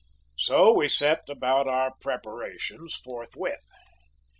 "So we set about our preparations forthwith.